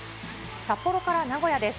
札幌から名古屋です。